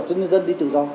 cho người dân đi tự do